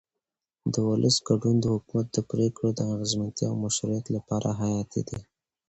د ولس ګډون د حکومت د پرېکړو د اغیزمنتیا او مشروعیت لپاره حیاتي دی